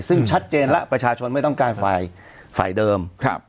ซึ่งชัดเจนแล้วประชาชนไม่ต้องการฝ่ายฝ่ายเดิมครับ